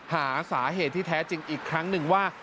หาสาเหตุที่แท้จริงอีกครั้งหนึ่งว่า